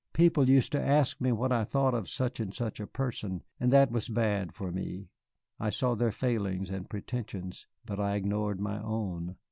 People used to ask me what I thought of such and such a person, and that was bad for me. I saw their failings and pretensions, but I ignored my own.